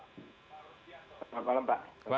selamat malam pak